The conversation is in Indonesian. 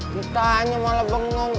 kita hanya mau lebeng nung